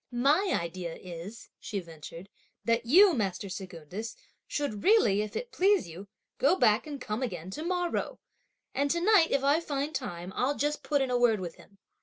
"My idea is," she ventured, "that you, master Secundus, should really, if it so please you, go back, and come again to morrow; and to night, if I find time, I'll just put in a word with him!"